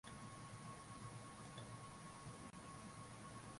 Jacob aliongea na mke wa Ruhala na kumuuliza maswali machache yaalomfanya aende pale